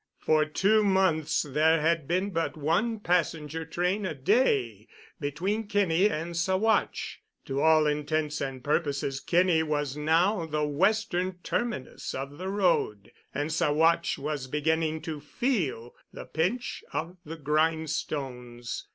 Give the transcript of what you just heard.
For two months there had been but one passenger train a day between Kinney and Saguache. To all intents and purposes Kinney was now the Western terminus of the road, and Saguache was beginning to feel the pinch of the grindstones.